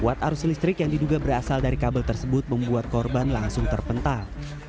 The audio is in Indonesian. kuat arus listrik yang diduga berasal dari kabel tersebut membuat korban langsung terpental